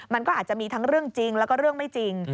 มันก็อาจจะมีทั้งเรื่องจริงแล้วก็เรื่องไม่จริง